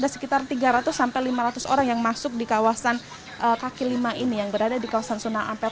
sekitar tiga ratus sampai lima ratus orang yang masuk di kawasan kaki lima ini yang berada di kawasan sunan ampel